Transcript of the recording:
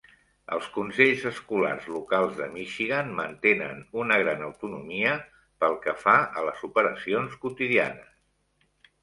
Els consells escolars locals de Michigan mantenen una gran autonomia pel que fa a les operacions quotidianes.